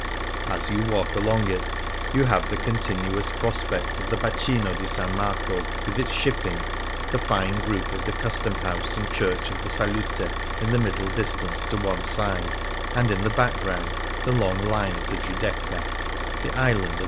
As you walk along it, you have the continuous prospect of the Bacino di S. Marco, with its shipping, the fine group of the Custom House and church of the Salute in the middle distance to one side, and in the background the long line of the Giudecca, the island of S.